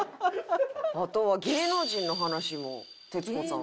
あとは芸能人の話も徹子さん。